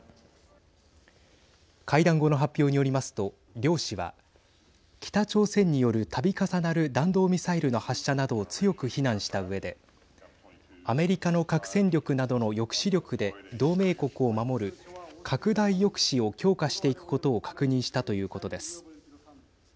会談後の発表によりますと両氏は北朝鮮によるたび重なる弾道ミサイルの発射などを強く非難したうえでアメリカの核戦力などの抑止力で同盟国を守る拡大抑止を強化していくことを確認したということです。